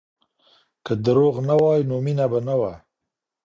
که دروغ نه وای نو مینه به نه وه.